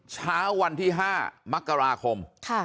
เช้าวันที่๕มกราคม